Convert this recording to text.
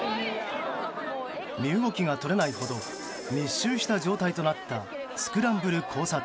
身動きが取れないほど密集した状態となったスクランブル交差点。